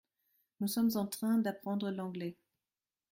Nous sommes en train d’apprendre l’anglais.